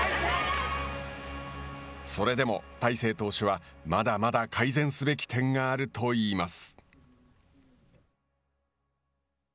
それでも、大勢投手はまだまだ改善すべき点があると言います。